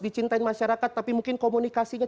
dicintain masyarakat tapi mungkin komunikasinya